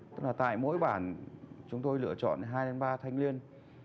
tức là tại mỗi bản chúng tôi lựa chọn hai ba thanh niên